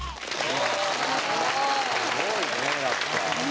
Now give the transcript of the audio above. すごいねえやっぱ。